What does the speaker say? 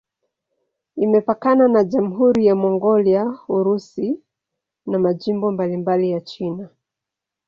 Imepakana na Jamhuri ya Mongolia, Urusi na majimbo mbalimbali ya China.